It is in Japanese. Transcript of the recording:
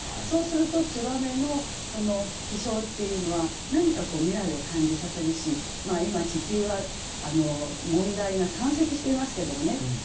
そうすると燕のこの飛翔っていうのは何かこう未来を感じさせるし今地球は問題が山積していますけどもね。